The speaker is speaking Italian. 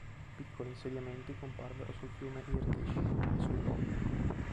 Piccoli insediamenti comparvero sul fiume Irtyš e sull'Ob'.